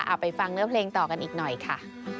เอาไปฟังเนื้อเพลงต่อกันอีกหน่อยค่ะ